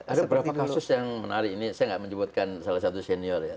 ada beberapa kasus yang menarik ini saya nggak menyebutkan salah satu senior ya